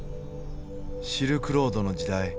シルクロードの時代